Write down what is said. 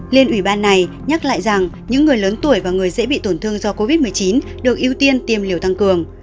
liên ủy ban này nhắc lại rằng những người lớn tuổi và người dễ bị tổn thương do covid một mươi chín được ưu tiên tiêm liều tăng cường